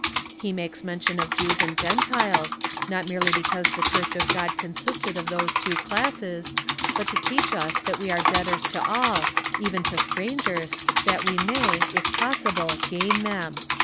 He makes mention of Jews and Gentiles, not merely because the Church of God consisted of those two classes, but to teach us that we are debtors to all, even to strangers, that we may, if possible, gain them.